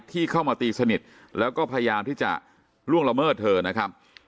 ที่เข้ามาตีสนิทแล้วก็พยายามที่จะล่วงละเมิดเธอนะครับ